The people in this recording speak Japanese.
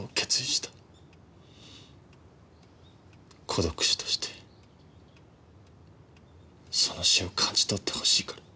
孤独死としてその死を感じ取ってほしいから。